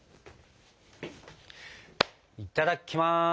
いただきます。